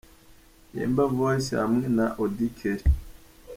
Yemba Voice hamwe na Auddy Kelly .